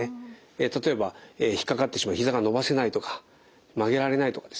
例えば引っ掛かってしまいひざが伸ばせないとか曲げられないとかですね